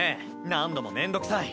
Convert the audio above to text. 何度もめんどくさい。